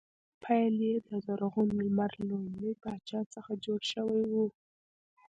پیل یې د زرغون لمر لومړي پاچا څخه شوی و